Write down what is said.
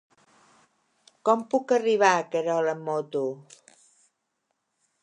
Com puc arribar a Querol amb moto?